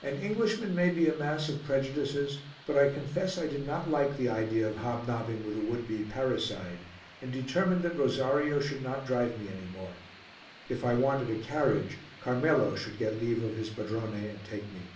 An Englishman may be a mass of prejudices, but I confess I did not like the idea of hob nobbing with a would be parricide and determined that Rosario should not drive me any more; if I wanted a carriage, Carmelo should get leave of his padrone and take me.